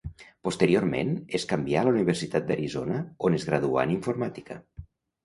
Posteriorment, es canvià a la Universitat d'Arizona on es graduà en informàtica.